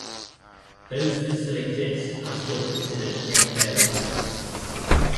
Those that still exist are still considered name-bearing types.